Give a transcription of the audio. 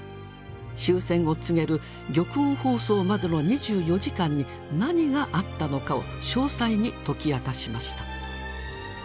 終戦を告げる玉音放送までの２４時間に何があったのかを詳細に解き明かしました。